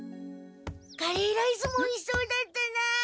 カレーライスもおいしそうだったな。